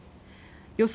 予想